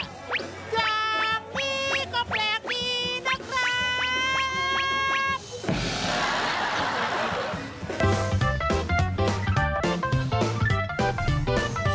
อย่างนี้ก็แปลกดีนะครับ